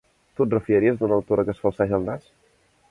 Tu et refiaries d'una autora que es falseja el nas?